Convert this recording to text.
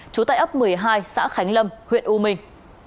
trú tại ấp một mươi hai xã khánh lâm huyện u minh